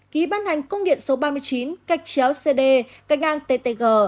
ký ban hành công điện số ba mươi chín cách chéo cd cách ngang ttg